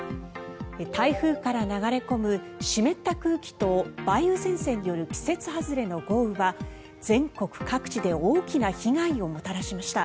台風から流れ込む湿った空気と梅雨前線による季節外れの豪雨は全国各地で大きな被害をもたらしました。